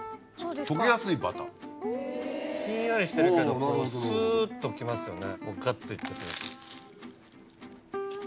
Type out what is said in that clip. ひんやりしてるけどスっときますよね。